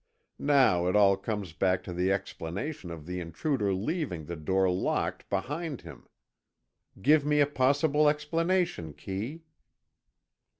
Now it all comes back to the explanation of the intruder leaving the door locked behind him. Give me a possible explanation, Kee."